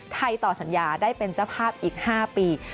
ต่อสัญญาได้เป็นเจ้าภาพอีก๕ปี